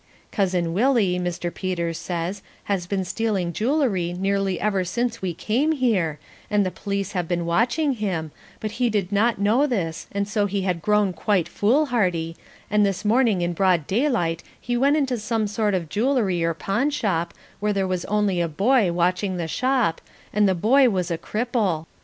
Cousin Willie, Mr. Peters says, has been stealing jewelry nearly ever since we came here and the police have been watching him but he did not know this and so he had grown quite foolhardy, and this morning in broad daylight he went into some sort of jewelry or pawn shop where there was only a boy watching the shop, and the boy was a cripple.